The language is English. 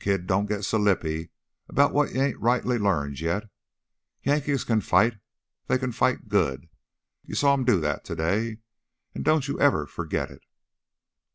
"Kid, don't git so lippy 'bout what you ain't rightly learned yet. Yankees can fight they can fight good. You saw 'em do that today. And don't you ever forgit it!"